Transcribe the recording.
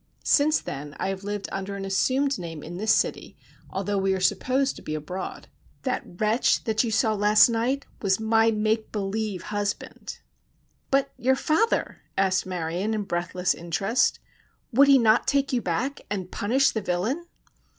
Since then I have lived under an assumed name in this city, although we are supposed to be abroad. That wretch that you saw last night was my 'make believe' husband!" "But your father?" asked Marion in breathless interest. "Would he not take you back and punish the villain?"